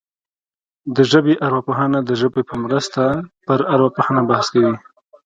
د ژبې ارواپوهنه د ژبې په مرسته پر ارواپوهنه بحث کوي